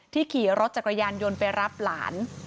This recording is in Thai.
ขี่รถจักรยานยนต์ไปรับหลาน